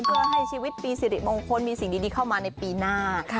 เพื่อให้ชีวิตปีสิริมงคลมีสิ่งดีเข้ามาในปีหน้า